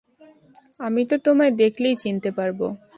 আমি তো তোমায় দেখলেই চিনতে পারবো।